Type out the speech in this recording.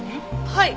はい。